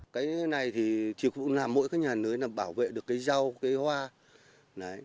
cái này thì chỉ phụ làm mỗi cái nhà nưới là bảo vệ được cái rau cái hoa